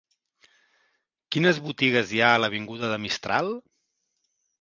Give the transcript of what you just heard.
Quines botigues hi ha a l'avinguda de Mistral?